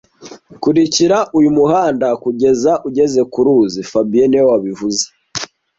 Kurikira uyu muhanda kugeza ugeze ku ruzi fabien niwe wabivuze